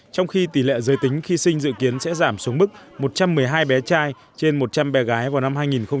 trong khi tỷ lệ giới tính khi sinh dự kiến sẽ giảm xuống mức một trăm một mươi hai bé trai trên một trăm linh bé gái vào năm hai nghìn hai mươi